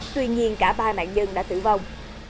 tuy nhiên cả ba mạng nhân đã tử vong